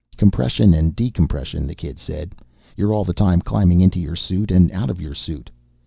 "Compression and decompression," the kid said. "You're all the time climbing into your suit and out of your suit.